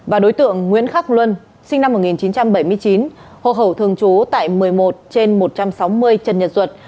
và đối tượng nguyễn khắc luân sinh năm một nghìn chín trăm bảy mươi chín hộ khẩu thường trú tại một mươi một trên một trăm sáu mươi trần nhật duật